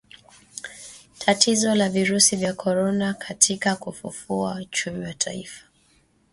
tatizo la virusi vya korona katika kufufua uchumi wa taifa